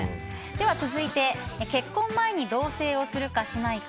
続いて、結婚前に同棲をするかしないか。